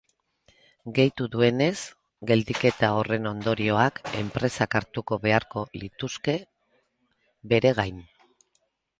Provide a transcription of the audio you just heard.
Gehitu duenez, geldiketa horren ondorioak enpresak hartuko beharko lituzke bere gain.